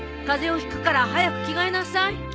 風邪をひくから早く着替えなさい。